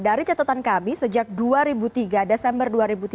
dari catatan kami sejak dua ribu tiga desember dua ribu tiga belas